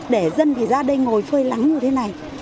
để dân thì ra đây ngồi phơi lắng như thế này